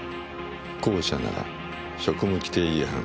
後者なら職務規定違反。